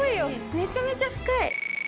めちゃめちゃ深い。